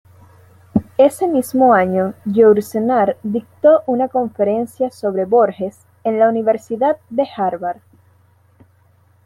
Ese mismo año, Yourcenar dictó una conferencia sobre Borges en la Universidad de Harvard.